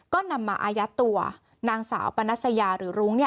ก็นำมาอายัดตัวนางสาวปนัสยาหรือรุ้ง